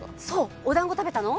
おだんご食べたの？